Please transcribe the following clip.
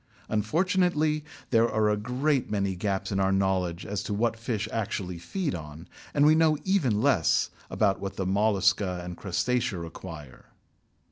Unfortunately there are a great many gaps in our knowledge as to what fish actually feed on, and we know even less about what the Mollusca and Crustacea require.